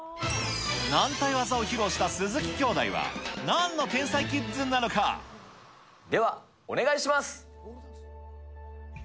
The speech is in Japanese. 軟体技を披露した鈴木兄妹は、では、お願いします。